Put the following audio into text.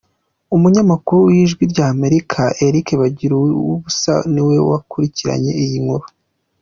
Umunyamakuru w’Ijwi ry’Amerika Eric Bagiruwubusa ni we wakurikiranye iyi nkuru.